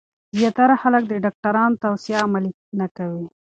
زیاتره خلک د ډاکټرانو توصیه عملي نه کوي.